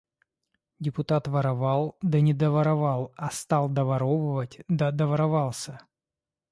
Депутат воровал, да не доворовал, а стал доворовывать, да доворовался.